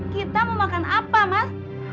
kita mau makan apa mas